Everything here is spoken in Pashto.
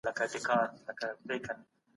د اخیرت ژوند زموږ د ټولو ارمانونو وروستی منزل دی.